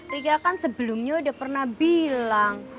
rika kan sebelumnya udah pernah bilang